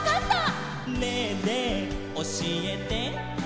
「ねえねえおしえて」